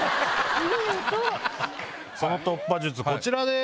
その突破術こちらです。